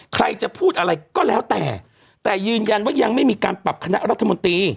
ใครจะพูดอะไรก็แล้วแต่แต่ยืนยันว่ายังไม่มีการปรับคณะรัฐมนตรี